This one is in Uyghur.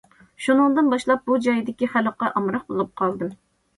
شۇنىڭدىن باشلاپ، بۇ جايدىكى خەلققە ئامراق بولۇپ قالدىم.